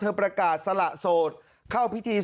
แถลงการแนะนำพระมหาเทวีเจ้าแห่งเมืองทิพย์